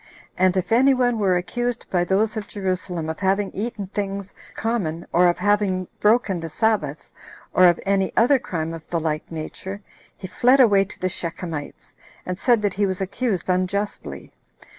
And if any one were accused by those of Jerusalem of having eaten things common or of having broken the sabbath, or of any other crime of the like nature, he fled away to the Shechemites, and said that he was accused unjustly.